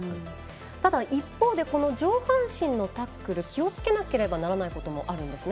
ただ、一方で上半身のタックル気をつけなければならないこともあるんです。